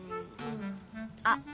あっ！